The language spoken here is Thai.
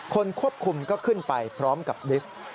ควบคุมก็ขึ้นไปพร้อมกับลิฟต์